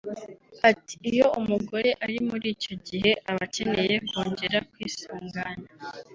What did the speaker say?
At “Iyo umugore ari muri icyo gihe aba akeneye kongera kwisuganya